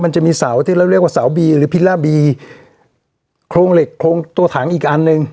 มันจะมีเสาที่เราเรียกว่าเสาบีหรือพิลาบีโครงเหล็กโครงตัวถังอีกอันหนึ่ง